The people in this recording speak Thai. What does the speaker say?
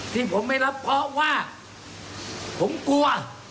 ที่ผมไม่รับเพราะว่าผมกลัว